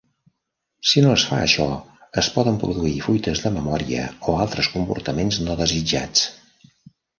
Si no es fa això, es poden produir fuites de memòria o altres comportaments no desitjats.